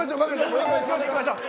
もう行きましょう！